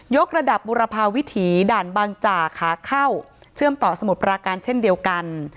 กระดับบุรพาวิถีด่านบางจ่าขาเข้าเชื่อมต่อสมุทรปราการเช่นเดียวกัน